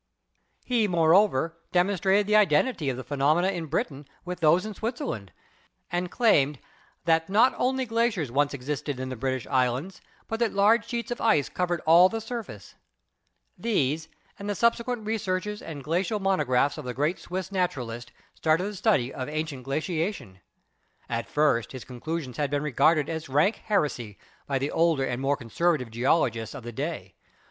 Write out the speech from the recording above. He, moreover, demonstrated the identity of the phe nomena in Britain with those in Switzerland, and claimed "that not only glaciers once existed in the British Islands, but that large sheets of ice covered all the surface." These MODERN DEVELOPMENT 81 and the subsequent researches and glacial monographs of the great Swiss naturalist started the study of ancient glaciation. At first his conclusions had been regarded as rank heresy by the older and more conservative geologists of the day.